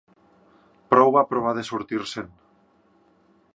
Prou va provar de sortir-se'n